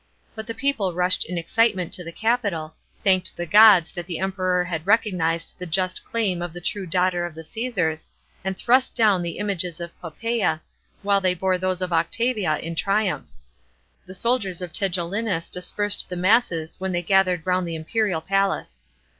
But the people rushed in excitement to the Capitol, thanked the gods that the Emperor had recognised the just claim of the true daughter of the Csesars, and thrust down the images of Poppsea, while they bore those of Octivia in triumph. The soldiers of Tiiiellinus dispersed the masses when thev gathered round the imperial palace.